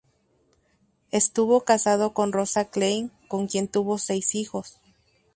Estuvo casado con Rosa Klein, con quien tuvo seis hijos.